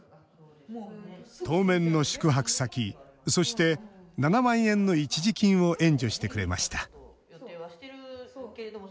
当面の宿泊先そして、７万円の一時金を援助してくれました。